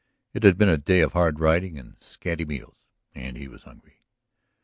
It had been a day of hard riding and scanty meals, and he was hungry.